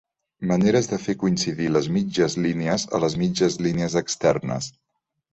maneres de fer coincidir les mitges línies a les mitges línies externes.